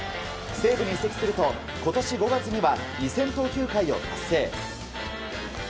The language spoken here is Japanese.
西武に移籍すると今年５月には２０００投球回を達成。